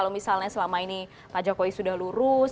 kalau misalnya selama ini pak jokowi sudah lurus